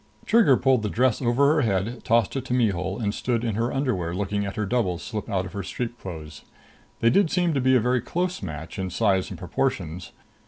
Trigger pulled the dress over her head, tossed it to Mihul and stood in her underwear, looking at her double slip out of her street clothes. They did seem to be a very close match in size and proportions.